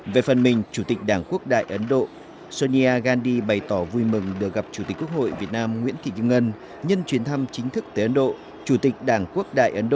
về phần mình chủ tịch đảng quốc đại ấn độ sonia gandhi bày tỏ vui mừng được gặp chủ tịch quốc hội việt nam nguyễn thị kim ngân